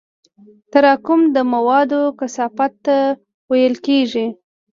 تراکم د موادو کثافت ته ویل کېږي.